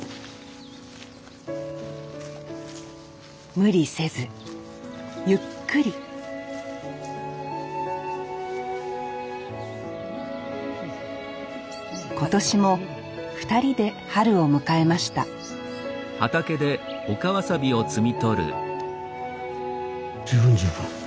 無理せずゆっくり今年も２人で春を迎えました十分十分。